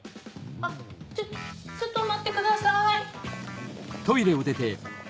あっちょっちょっと待ってください。